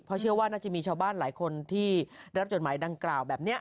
เพราะเชื่อว่าน่าจะมีชาวบ้านหลายคนที่ได้รับจดหมายดังกล่าวแบบนี้